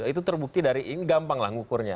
itu terbukti dari ini gampang lah ngukurnya